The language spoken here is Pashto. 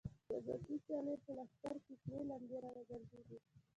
د عباس قلي په لښکر کې سرې لمبې را وګرځېدې.